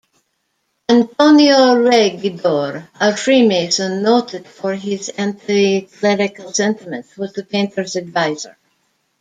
Antonio Regidor, a Freemason noted for his anticlerical sentiments, was the painter's adviser.